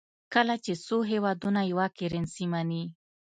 کله چې څو هېوادونه یوه کرنسي مني.